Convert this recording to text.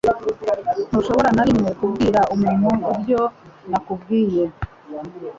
Ntushobora na rimwe kubwira umuntu ibyo nakubwiye.